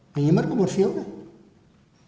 hình như mất có một phiếu đấy